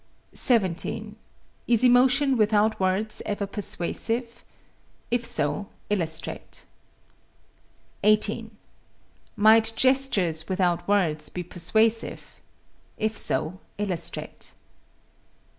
17. Is emotion without words ever persuasive? If so, illustrate. 18. Might gestures without words be persuasive? If so, illustrate.